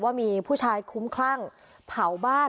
ว่ามีผู้ชายคุ้มคลั่งเผาบ้าน